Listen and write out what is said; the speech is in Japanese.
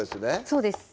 そうです